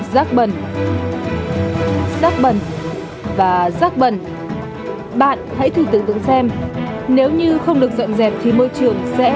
rác bẩn rác bẩn và rác bẩn bạn hãy thử tưởng tượng xem nếu như không được dọn dẹp thì môi trường sẽ